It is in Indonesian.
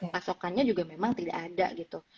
pasokannya juga memang tidak ada gitu